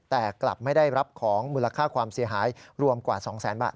แต่กลับไม่ได้รับของมูลค่าความเสียหายรวมกว่า๒แสนบาท